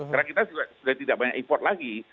karena kita sudah tidak banyak import lagi